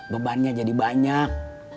bebannya jadi banyak